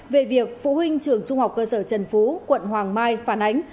về việc phụ huynh trường trung học cơ sở trần phú quận hoàng mai phản ánh